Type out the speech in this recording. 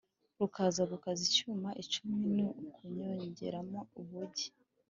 rukaza: gukaza icyuma, icumu ni ukuryongeramo ubugi